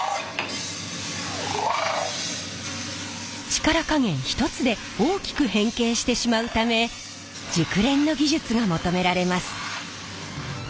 力加減一つで大きく変形してしまうため熟練の技術が求められます。